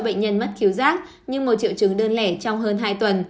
khuyến cáo cho bệnh nhân mất khiếu giác như một triệu chứng đơn lẻ trong hơn hai tuần